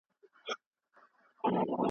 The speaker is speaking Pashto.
د ميرمنو تر منځ مساوات څنګه رامنځته کيږي؟